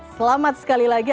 selamat sekali lagi